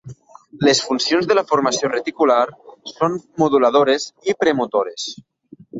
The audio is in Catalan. Les funcions de la formació reticular són moduladores i premotores.